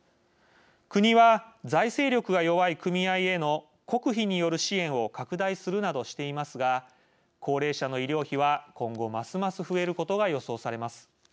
国は財政力が弱い組合への国費による支援を拡大するなどしていますが高齢者の医療費は今後ますます増えることが予想されます。